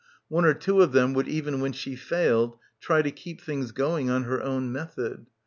One or two of them would even when she failed try to keep things going on her own method.